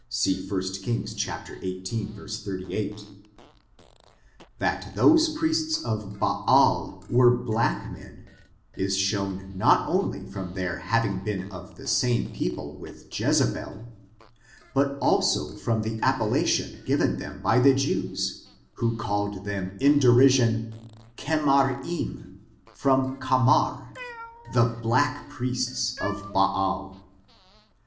See 1 Kings xviii, 38. That those priests of Baal were black men^ is shown not only from their having been of the same people with Jezebel, but also from the appellation given them by the Jews, who called them in derision {cemarim^ from camar\ the black priests of Baal.